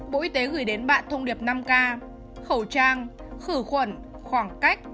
bộ y tế gửi đến bạn thông điệp năm k khẩu trang khử khuẩn khoảng cách